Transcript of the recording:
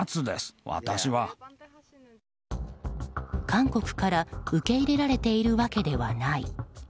韓国から受け入れられているわけではない。